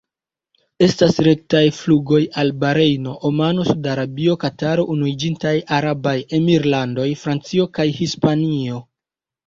Estas rektaj flugoj al Barejno, Omano, Saud-Arabio, Kataro, Unuiĝintaj Arabaj Emirlandoj, Francio kaj Hispanio.